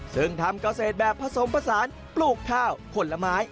ซึ่งทำเกาเสธแบบผสมผสานปลูกเท้าคนละไม้